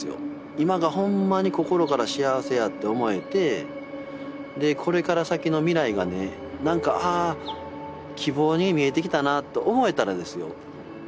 今がほんまに心から幸せやって思えてでこれから先の未来がね何かああ希望に見えてきたなと思えたらですよ